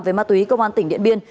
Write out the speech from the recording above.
về ma túy công an tỉnh điện biên